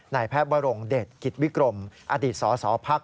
นายแพทย์วรงเดชกิจวิกรมอดีตสสพัก